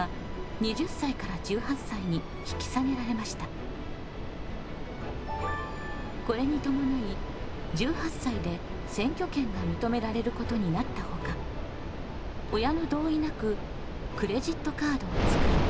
２０１８年のこれに伴い１８歳で選挙権が認められることになったほか親の同意なくクレジットカードをつくる。